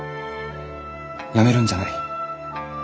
やめるんじゃない。